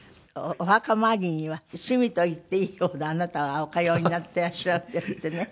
お墓参りには趣味と言っていいほどあなたはお通いになっていらっしゃるんですってね。